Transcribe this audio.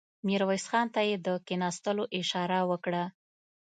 ميرويس خان ته يې د کېناستلو اشاره وکړه.